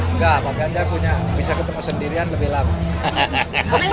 enggak pak ganjar punya bisa ketemu sendirian lebih lama